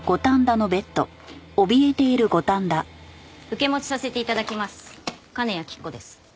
受け持ちさせて頂きます金谷吉子です。